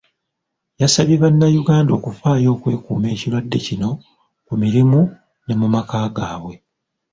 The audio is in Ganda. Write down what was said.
Yasabye bannayuganda okufaayo okwekuuma ekirwadde kino ku mirimu ne mu maka gaabwe.